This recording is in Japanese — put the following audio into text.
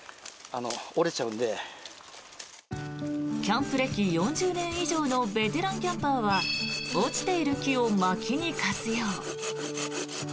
キャンプ歴４０年以上のベテランキャンパーは落ちている木をまきに活用。